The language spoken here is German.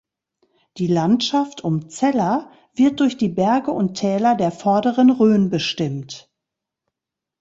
Die Landschaft um Zella wird durch die Berge und Täler der Vorderen Rhön bestimmt.